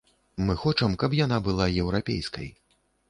Мы хочам каб яна была еўрапейскай.